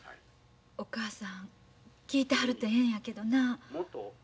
お母さん聞いてはるとええんやけどな。